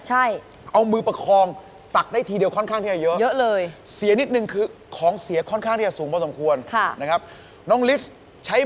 จะได้ของที่ต้องการหรือไม่